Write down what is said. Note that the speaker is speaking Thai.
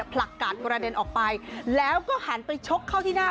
ผลักกาดกระเด็นออกไปแล้วก็หันไปชกเข้าที่หน้า